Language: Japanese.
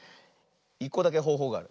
１こだけほうほうがある。